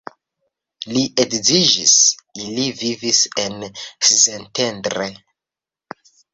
Li edziĝis, ili vivis en Szentendre.